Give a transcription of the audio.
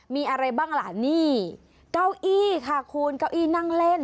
มีอะไรบ้างล่ะนี่เก้าอี้ค่ะคุณเก้าอี้นั่งเล่น